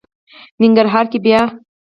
ننګرهار کې بیا...